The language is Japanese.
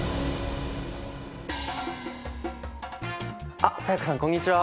あっ才加さんこんにちは。